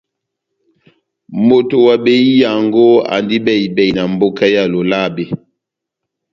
Moto wa behiyango andi bɛhi-bɛhi na mboka ya Lolabe.